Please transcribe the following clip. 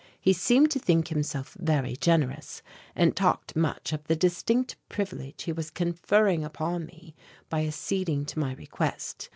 He seemed to think himself very generous and talked much of the distinctive privilege he was conferring upon me by acceding to my request.